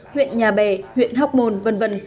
huyện nhà bè huyện hóc môn v v